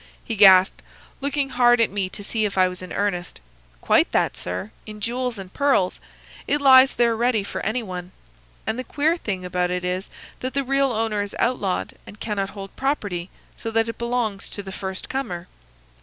he gasped, looking hard at me to see if I was in earnest. "'Quite that, sir,—in jewels and pearls. It lies there ready for any one. And the queer thing about it is that the real owner is outlawed and cannot hold property, so that it belongs to the first comer.